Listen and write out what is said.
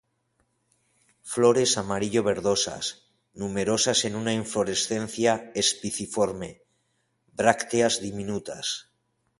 Flores amarillo verdosas, numerosas en una inflorescencia espiciforme; brácteas diminutas.